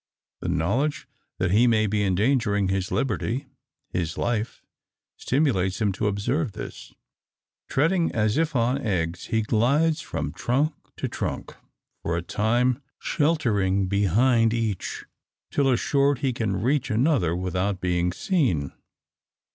The knowledge that he may be endangering his liberty his life stimulates him to observe this. Treading as if on eggs, he glides from trunk to trunk; for a time sheltering behind each, till assured he can reach another without being seen.